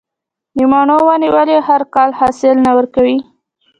د مڼو ونې ولې هر کال حاصل نه ورکوي؟